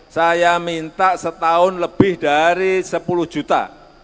saya minta setahun lebih dari sepuluh juta